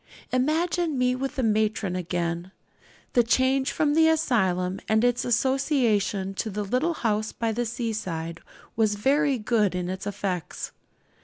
Imagine me with the matron again. The change from the asylum and its associations to the little house by the seaside was very good in its effects.